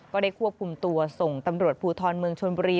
ก็ได้ควบคุมตัวส่งตำรวจภูทรเมืองชนบุรี